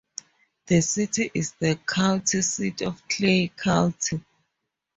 The city is the county seat of Clay County.